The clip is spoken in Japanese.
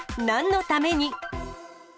なんのために？